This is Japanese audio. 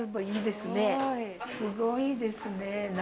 すごいですね。